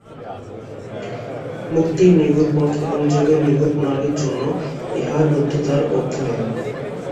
মুক্তির নিগূঢ় পথ এবং যোগের নিগূঢ় প্রণালীর জন্য ইঁহার লুব্ধতার অবধি নাই।